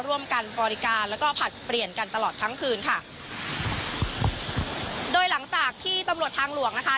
ร่วมกันบริการแล้วก็ผลัดเปลี่ยนกันตลอดทั้งคืนค่ะโดยหลังจากที่ตำรวจทางหลวงนะคะ